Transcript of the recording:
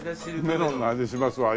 メロンの味しますわ。